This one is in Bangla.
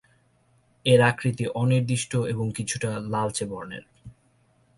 এর আকৃতি অনির্দিষ্ট এবং কিছুটা লালচে বর্ণের।